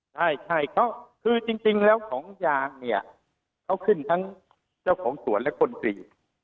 ใช่เขาคือจริงแล้วของยางเนี่ยเขาขึ้นทั้งเจ้าของสวนและคนตรี